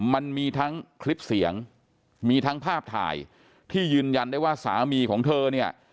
มันมีทั้งคลิปเสียงมีทั้งภาพถ่ายที่ยืนยันได้ว่าสามีของเธอเนี่ย